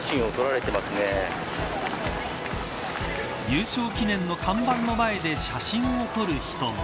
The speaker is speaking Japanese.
優勝記念の看板の前で写真を撮る人も。